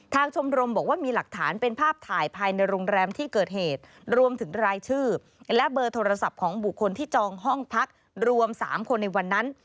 ชมรมบอกว่ามีหลักฐานเป็นภาพถ่ายภายในโรงแรมที่เกิดเหตุรวมถึงรายชื่อและเบอร์โทรศัพท์ของบุคคลที่จองห้องพักรวม๓คนในวันนั้น